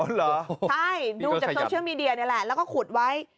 อ๋อเหรอนี่ก็ขยับใช่ดูจากโซเชียลมีเดียนี่แหละแล้วก็ขุดไว้